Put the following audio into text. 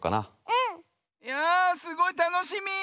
うん！やすごいたのしみ。